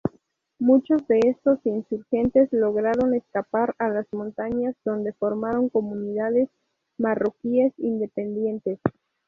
Muchos de estos insurgentes lograron escapar a las montañas donde formaron comunidades marroquíes independientes.